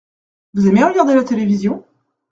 Vous aimez regarder la télévision ?